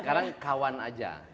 sekarang kawan aja